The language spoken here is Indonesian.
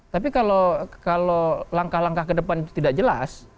tapi kalau langkah langkah ke depan itu tidak jelas